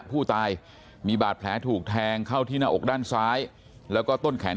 ผู้ตายมีบาดแผลถูกแทงเข้าที่หน้าอกด้านซ้ายแล้วก็ต้นแขน